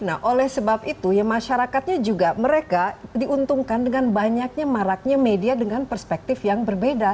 nah oleh sebab itu ya masyarakatnya juga mereka diuntungkan dengan banyaknya maraknya media dengan perspektif yang berbeda